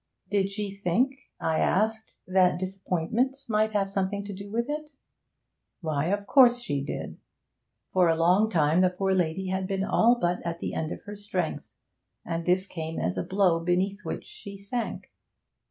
'Did she think,' I asked, 'that disappointment might have something to do with it?' Why, of course she did. For a long time the poor lady had been all but at the end of her strength, and this came as a blow beneath which she sank.